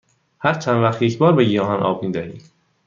هر چند وقت یک بار به گیاهان آب می دهی؟